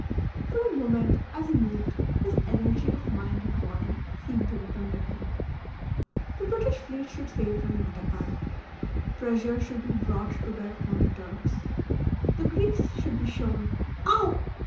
For a moment as he moved, his energy of mind and body seemed to return to him. The British fleet should sail from Matapan. Pressure should be brought to bear upon the Turks. The Greeks should be shown Ow!